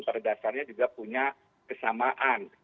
pada dasarnya juga punya kesamaan